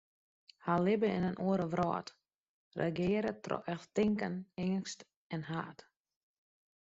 Hja libbe yn in oare wrâld, regearre troch erchtinken, eangst en haat.